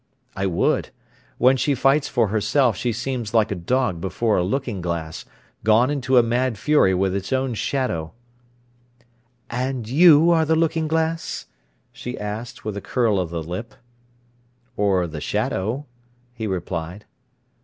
"I would. When she fights for herself she seems like a dog before a looking glass, gone into a mad fury with its own shadow." "And you are the looking glass?" she asked, with a curl of the lip. "Or the shadow," he replied.